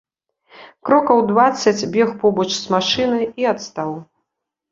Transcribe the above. Крокаў дваццаць бег побач з машынай і адстаў.